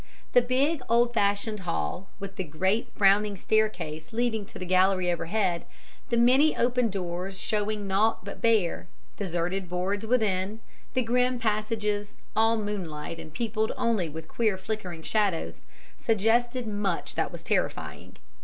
The big, old fashioned hall, with the great, frowning staircase leading to the gallery overhead, the many open doors showing nought but bare, deserted boards within, the grim passages, all moonlit and peopled only with queer flickering shadows, suggested much that was terrifying.